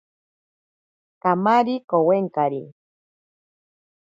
Kamari kowenkari.